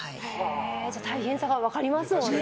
じゃあ、大変さが分かりますもんね。